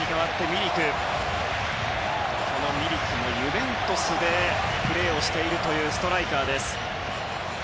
ミリクもユベントスでプレーをしているというストライカーです。